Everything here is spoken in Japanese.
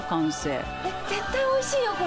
絶対おいしいよこれ。